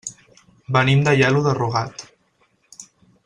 Venim d'Aielo de Rugat.